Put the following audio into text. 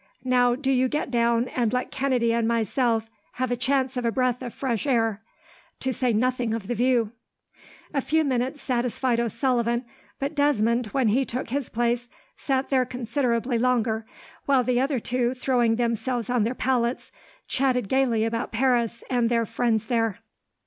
Now, do you get down, and let Kennedy and myself have a chance of a breath of fresh air, to say nothing of the view." A few minutes satisfied O'Sullivan, but Desmond, when he took his place, sat there considerably longer; while the other two, throwing themselves on their pallets, chatted gaily about Paris and their friends there.